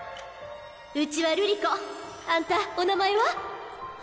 うちは瑠璃子あんたお名前は？